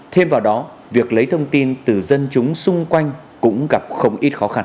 thêm vào đó việc lấy thông tin từ dân chúng xung quanh cũng gặp không ít khó khăn